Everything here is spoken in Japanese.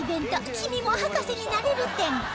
「君も博士になれる展」